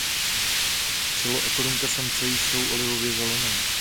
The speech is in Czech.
Čelo a korunka samce jsou olivově zelené.